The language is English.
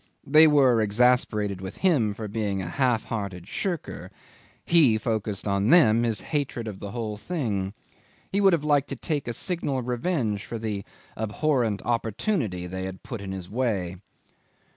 They were exasperated with him for being a half hearted shirker: he focussed on them his hatred of the whole thing; he would have liked to take a signal revenge for the abhorrent opportunity they had put in his way.